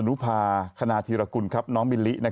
ถึงคณะทีรกุลน้องมิลิ